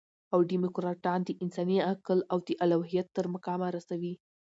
او ډيموکراټان د انساني عقل او د الوهیت تر مقامه رسوي.